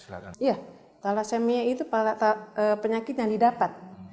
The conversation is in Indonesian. iya thalassemia itu penyakit yang didapat